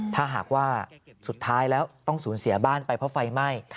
ถ้าหากว่าสุดท้ายแล้วต้องสูญเสียบ้านไปเพราะไฟไหม้